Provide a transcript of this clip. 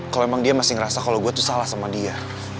kalau dia masih merasa saya salah sama dia